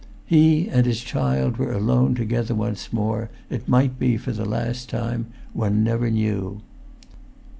He and his child were alone together once more, it might be for the last time, one never knew.